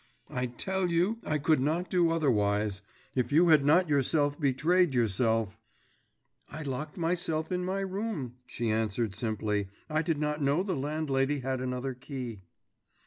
'I tell you I could not do otherwise. If you had not yourself betrayed yourself.…' 'I locked myself in my room,' she answered simply. 'I did not know the landlady had another key.